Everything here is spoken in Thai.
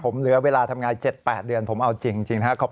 ผมเหลือเวลาทำงาน๗๘เดือนผมเอาจริงนะครับ